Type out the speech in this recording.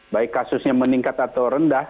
baik kasusnya meningkat atau rendah